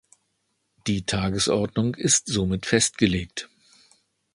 Die Tagesordnung ist somit festgelegt.